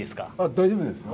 大丈夫ですよ。